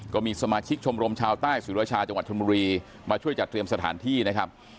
ก็มีสมาชิกชมรมชาวใต้สุรชาจังหวัดชนบุรีมาช่วยจัดเตรียมสถานที่นะครับ